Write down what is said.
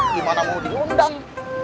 gimana mau diundang